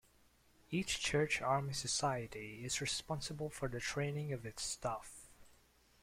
Each Church Army Society is responsible for the training of its staff.